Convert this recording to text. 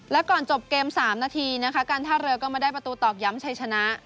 และก่อนจบเกม๓นาทีนะคะการท่าเรือก็มาได้ประตูตอกย้ำชัยชนะ